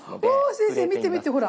先生見て見てほら。